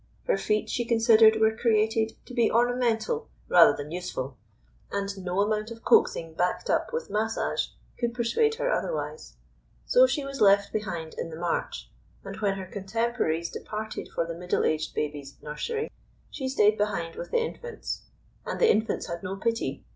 Her feet, she considered, were created to be ornamental rather than useful, and no amount of coaxing backed up with massage could persuade her otherwise. So she was left behind in the march; and when her contemporaries departed for the middle aged babies' nursery, she stayed behind with the infants. And the infants had no pity.